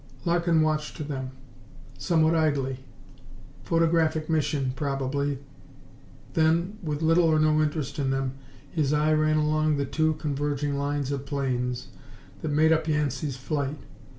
Larkin watched them, somewhat idly. Photographic mission, probably. Then, with little or no interest in them, his eye ran along the two converging lines of planes that made up Yancey's flight.